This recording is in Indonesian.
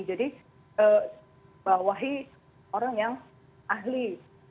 jadi bawahi orang yang ahli